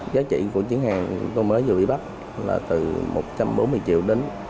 giá trị của chiến hàng tôi mới vừa bị bắt là từ một trăm bốn mươi triệu đến